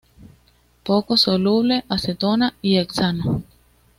Poco soluble acetona y hexano.